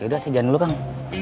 ya udah saya jalan dulu kang